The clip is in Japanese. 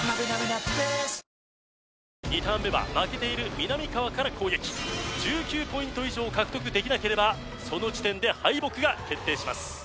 ２ターン目は負けているみなみかわから攻撃１９ポイント以上獲得できなければその時点で敗北が決定します